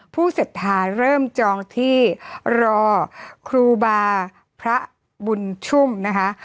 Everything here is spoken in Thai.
ศรัทธาเริ่มจองที่รอครูบาพระบุญชุ่มนะคะ